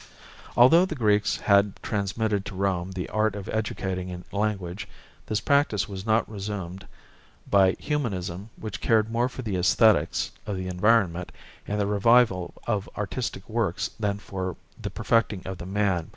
Although the Greeks had transmitted to Rome the art of educating in language, this practice was not resumed by Humanism which cared more for the aesthetics of the environment and the revival of artistic works than for the perfecting of the man.